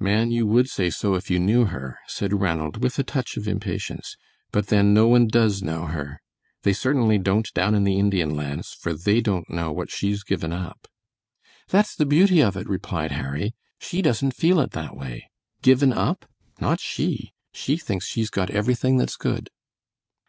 "Man, you would say so if you knew her," said Ranald, with a touch of impatience; "but then no one does know her. They certainly don't down in the Indian Lands, for they don't know what she's given up." "That's the beauty of it," replied Harry; "she doesn't feel it that way. Given up? not she! She thinks she's got everything that's good!"